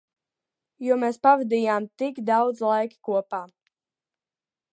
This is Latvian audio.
Jo mēs pavadījām tik daudz laika kopā.